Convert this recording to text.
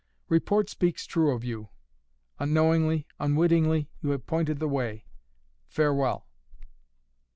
"Report speaks true of you. Unknowingly, unwittingly you have pointed the way. Farewell!"